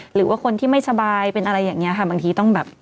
หรือคนที่ไม่สบายเป็นอะไรอย่างนี้